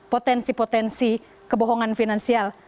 potensi potensi kebohongan finansial